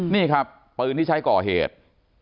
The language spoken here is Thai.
นี่ครับปืนที่ใช้ก่อเหตุ